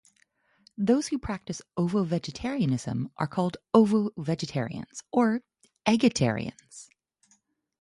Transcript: Those who practice ovo vegetarianism are called ovo-vegetarians or "eggetarians".